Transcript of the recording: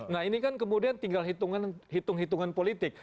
nah ini kan kemudian tinggal hitungan hitung hitungan politik